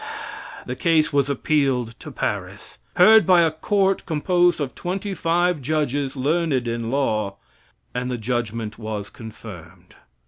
The case was appealed to Paris; heard by a court composed of twenty five judges learned in law, and the judgment was confirmed.